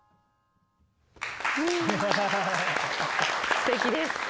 すてきです。